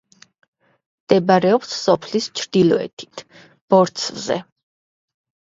მდებარეობს სოფლის ჩრდილოეთით, ბორცვზე.